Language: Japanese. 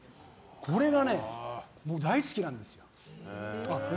これがね、大好きなんですよ。